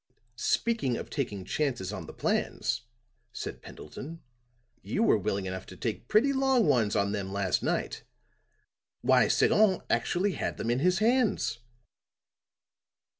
"Speaking of taking chances on the plans," said Pendleton, "you were willing enough to take pretty long ones on them last night. Why, Sagon actually had them in his hands."